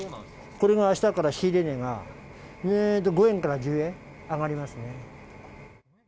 これはあしたから仕入れ値が５円から１０円、上がりますね。